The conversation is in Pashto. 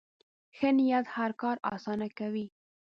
ښه نیت هر کار اسانه کوي.